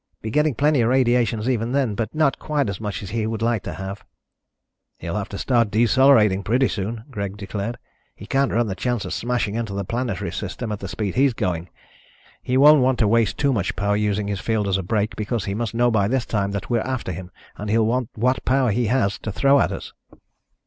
Be getting plenty of radiations even then, but not quite as much as he would like to have." "He'll have to start decelerating pretty soon," Greg declared. "He can't run the chance of smashing into the planetary system at the speed he's going. He won't want to waste too much power using his field as a brake, because he must know by this time that we're after him and he'll want what power he has to throw at us."